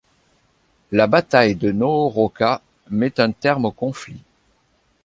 La bataille de Nohoroca met un terme au conflit.